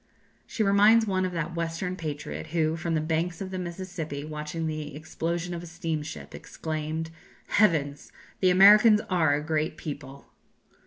She reminds one of that Western patriot who, from the banks of the Mississippi, watching the explosion of a steamship, exclaimed, "Heavens! the Americans are a great people!"